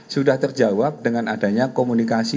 sudah terjawab dengan adanya komunikasi